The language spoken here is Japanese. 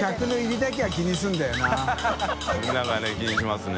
なんかね気にしますね。